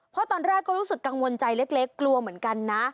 เพราะตอนแรกก็รู้สึกกังวลใจเล็กกลัวเหมือนกันนะ